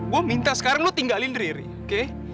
gue minta sekarang lo tinggalin riri oke